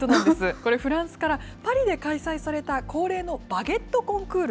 これ、フランスからパリで開催された恒例のバゲット・コンクール。